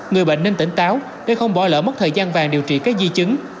người bệnh nên tỉnh táo để không bỏ lỡ mất thời gian vàng điều trị các di chứng